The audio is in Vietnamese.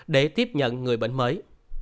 để tiếp nhận người bệnh mới